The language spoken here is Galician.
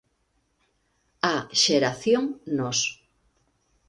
A xeración Nós.